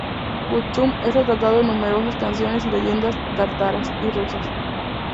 Kuchum es retratado en numerosas canciones y leyendas tártaras y rusas.